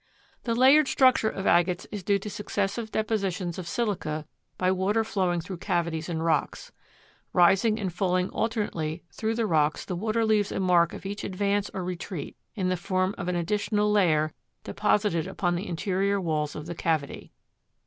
The layered structure of agates is due to successive depositions of silica by water flowing through cavities in rocks. Rising and falling alternately through the rocks the water leaves a mark of each advance or retreat in the form of an additional layer deposited upon the interior walls of the cavity.